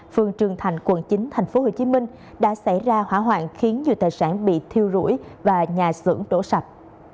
phường trường thành quận chín tp hcm đã xảy ra hỏa hoạn khiến nhiều tài sản bị thiêu rụi và nhà xưởng đổ sập